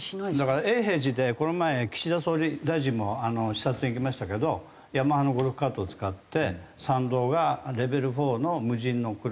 永平寺でこの前岸田総理大臣も視察に行きましたけどヤマハのゴルフカートを使って山道がレベル４の無人の車で移動する。